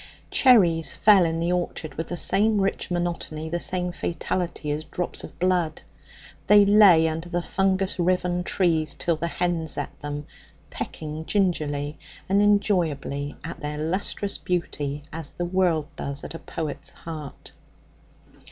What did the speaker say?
Cherries fell in the orchard with the same rich monotony, the same fatality, as drops of blood. They lay under the fungus riven trees till the hens ate them, pecking gingerly and enjoyably at their lustrous beauty as the world does at a poet's heart.